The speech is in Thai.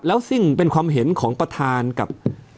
แล้วซึ่งเป็นความเห็นของประธานกับ